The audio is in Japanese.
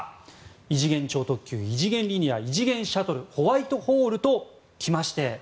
異次元超特急、異次元リニア異次元シャトルホワイトホールと来まして。